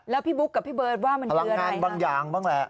แล้วพี่บุ๊คกับพี่เบิร์ตว่ามันมีพลังงานบางอย่างบ้างแหละ